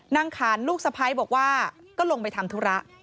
ขานลูกสะพ้ายบอกว่าก็ลงไปทำธุระ